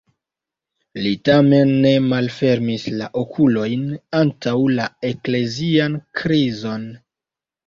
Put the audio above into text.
Li tamen ne malfermis la okulojn antaŭ la eklezian krizon.